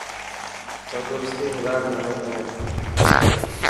تندرستي هزار نعمت هي.